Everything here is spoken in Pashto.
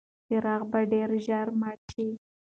څراغ به ډېر ژر مړ شي.